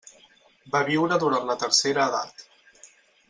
Va viure durant la tercera edat.